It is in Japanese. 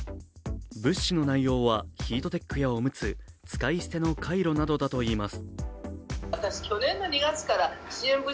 物資の内容はヒートテックやおむつ、使い捨てのカイロなどだといいます。